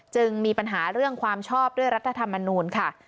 จึงมีปัญหาเรื่องความชอบด้วยรัฐธรรมนูลค่ะ